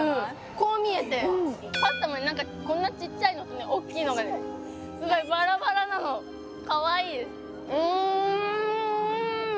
こう見えてパスタもこんなちっちゃいのとねおっきいのがねすごいバラバラなのかわいいですうん！